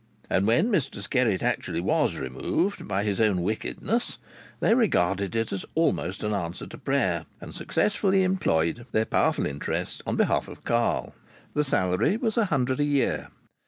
And when Mr Skerritt actually was removed, by his own wickedness, they regarded it as almost an answer to prayer, and successfully employed their powerful interest on behalf of Carl. The salary was a hundred a year.